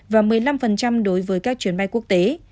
và một mươi năm đối với các chuyến bay quốc tế